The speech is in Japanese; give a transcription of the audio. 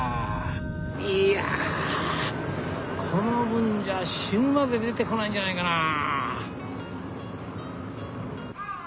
いやこの分じゃ死ぬまで出てこないんじゃないかなぁ？